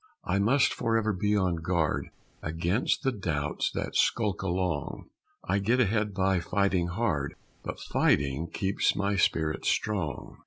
I must forever be on guard Against the doubts that skulk along; I get ahead by fighting hard, But fighting keeps my spirit strong.